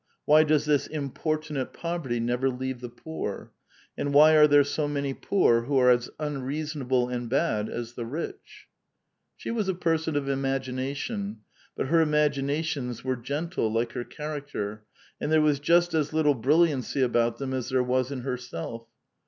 Why does this importunate poverty never leave the poor? And why are there so maiiv poor who arc as unreasonable and bad as the rich ?" She was a person of imagination, but her imaginations were gentle, like her character, and there was just as little brilliancy about them as there was in herself.